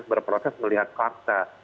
berproses melihat fakta